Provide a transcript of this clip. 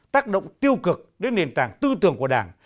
tác động tiêu cực đến nền tảng tư tưởng của đảng